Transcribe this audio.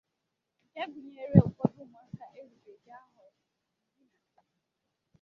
nke gụnyere ụfọdụ ụmụaka erubeghị ahọ iri na asaa